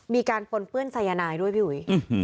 ปนเปื้อนสายนายด้วยพี่อุ๋ย